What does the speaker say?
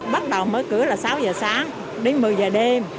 bắt đầu mở cửa là sáu giờ sáng đến một mươi giờ đêm